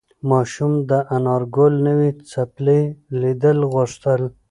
ماشوم د انارګل نوې څپلۍ لیدل غوښتل.